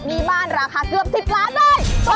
นี่บ้านราคาเกือบ๑๐ล้านเลย